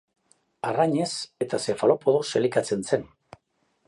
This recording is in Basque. Arrainez eta zefalopodoz elikatzen zen.